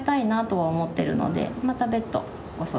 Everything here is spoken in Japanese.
はい。